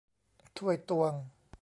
ถ้วยตวง